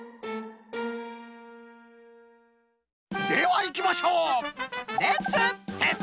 ではいきましょう！